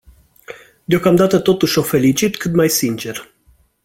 Deocamdată totuși o felicit cât mai sincer.